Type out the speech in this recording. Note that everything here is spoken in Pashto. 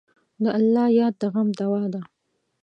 د الله یاد د غم دوا ده.